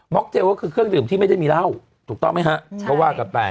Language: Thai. เจลก็คือเครื่องดื่มที่ไม่ได้มีเหล้าถูกต้องไหมฮะก็ว่ากันไป